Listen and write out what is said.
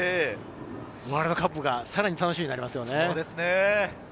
ワールドカップがさらに楽しみになりますよね。